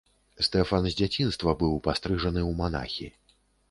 Стэфан з дзяцінства быў пастрыжаны ў манахі.